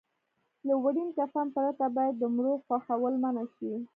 له وړین کفن پرته باید د مړو خښول منع شي.